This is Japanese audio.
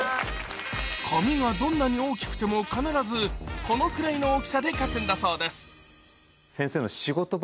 紙がどんなに大きくても必ずこのくらいの大きさで描くんだそうです先生の。